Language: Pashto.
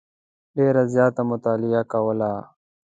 ډېره زیاته مطالعه کوله.